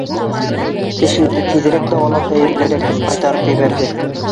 Тешеңде тиҙерәк дауалау хәйерлерәк, — тип ҡайтарып ебәрҙе.